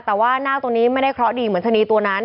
แต่ว่านาคตัวนี้ไม่ได้เคราะห์ดีเหมือนชะนีตัวนั้น